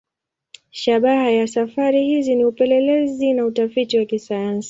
Shabaha ya safari hizi ni upelelezi na utafiti wa kisayansi.